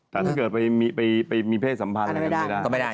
ถ้าเกิดไปมีเพศสัมพันธ์อะไรอาทารัยก็ไม่ได้